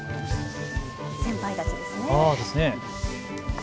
先輩たちですね。